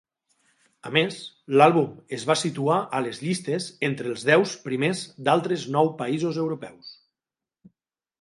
A més, l'àlbum es va situar a les llistes entre els deus primers d'altres nou països europeus.